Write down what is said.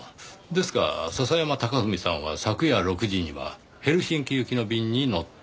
ですが笹山隆文さんは昨夜６時にはヘルシンキ行きの便に乗っていた。